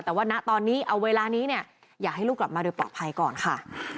แต่ว่าณตอนนี้เอาเวลานี้เนี่ยอยากให้ลูกกลับมาโดยปลอดภัยก่อนค่ะ